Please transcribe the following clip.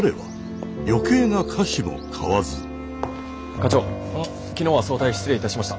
課長昨日は早退失礼いたしました。